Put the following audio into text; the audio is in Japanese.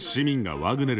ワグネル！